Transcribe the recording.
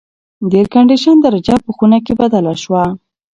د اېرکنډیشن درجه په خونه کې بدله شوه.